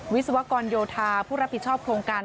วิศวกรโยธาผู้รับผิดชอบโครงการ